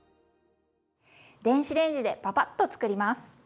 電子レンジでパパッと作ります。